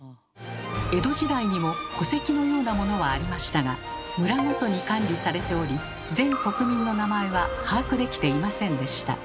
江戸時代にも戸籍のようなものはありましたが村ごとに管理されており全国民の名前は把握できていませんでした。